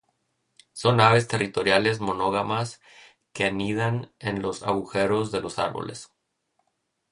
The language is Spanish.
Son aves territoriales monógamas que anidan en los agujeros de los árboles.